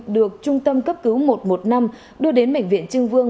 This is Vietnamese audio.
được trung tâm cấp cứu một trăm một mươi năm đưa đến bệnh viện trưng vương